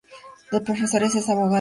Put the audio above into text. De profesión es abogado y notario.